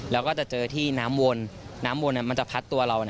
แล้วก็จะเจอที่น้ำวนน้ำวนมันจะพัดตัวเรา